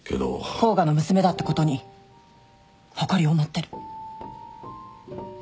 甲賀の娘だってことに誇りを持ってる。